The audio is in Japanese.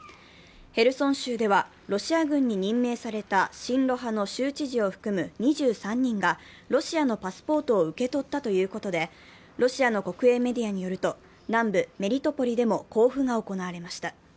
ヘルソン州ではロシア軍に任命された親ロ派の州知事を含む２３人がロシアのパスポートを受け取ったということで、ロシアの国営メディアによると南部メリトポリでも交付が行われました。